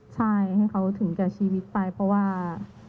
ใช่ให้เขาถึงแก่ชีวิตไปเพราะว่า